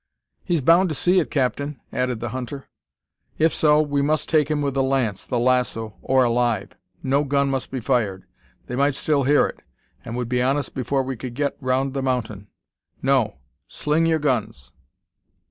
"He's bound to see it, captain," added the hunter. "If so, we must take him with the lance, the lasso, or alive. No gun must be fired. They might still hear it, and would be on us before we could get round the mountain. No! sling your guns!